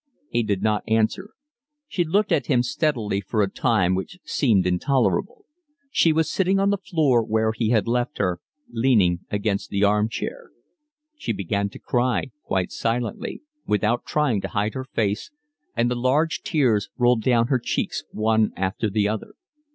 He did not answer. She looked at him steadily for a time which seemed intolerable. She was sitting on the floor where he had left her, leaning against the arm chair. She began to cry quite silently, without trying to hide her face, and the large tears rolled down her cheeks one after the other.